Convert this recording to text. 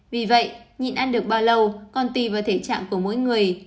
vì vậy nhịn ăn được bao lâu còn tùy vào thể trạng của mỗi người